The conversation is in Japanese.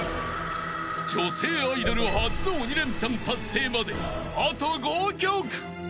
［女性アイドル初の鬼レンチャン達成まであと５曲］